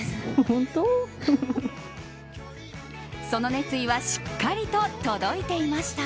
その熱意はしっかりと届いていました。